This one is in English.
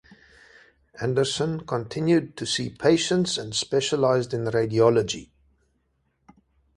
Anderson continued to see patients and specialized in radiology.